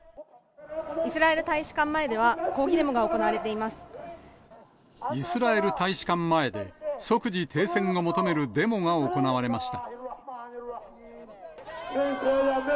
イスラエル大使館前では、イスラエル大使館前で、即時停戦を求めるデモが行われました。